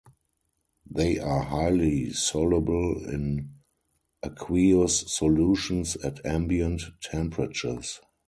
They are highly soluble in aqueous solutions at ambient temperatures.